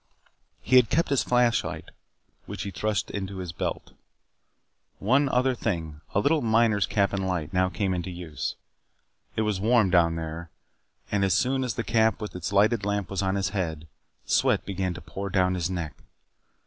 He had kept his flashlight which he thrust into his belt. One other thing, a little miner's cap and light, now came into use. It was warm down there, and as soon as the cap with its lighted lamp was on his head, sweat began to pour down his neck.